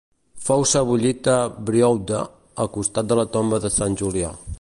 Fou sebollit a Brioude, al costat de la tomba de sant Julià.